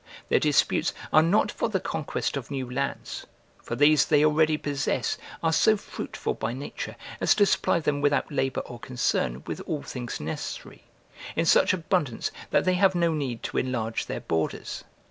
Their disputes are not for the conquest of new lands, for these they already possess are so fruitful by nature, as to supply them without labour or concern, with all things necessary, in such abundance that they have no need to enlarge their borders.